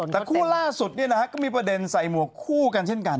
แต่คู่ล่าสุดก็มีประเด็นใส่หมวกคู่กันเช่นกัน